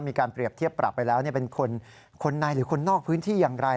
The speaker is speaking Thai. มีการเปรียบเทียบปรับไปแล้วเป็นคนในหรือคนนอกพื้นที่อย่างไร